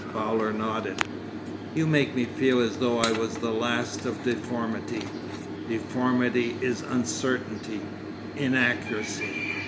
Fowler nodded. 'You make me feel as though I was the last of deformity—Deformity is uncertainty—inaccuracy.